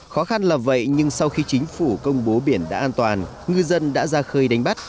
khó khăn là vậy nhưng sau khi chính phủ công bố biển đã an toàn ngư dân đã ra khơi đánh bắt